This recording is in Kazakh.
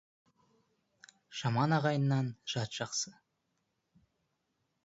Жаман ағайыннан жат жақсы.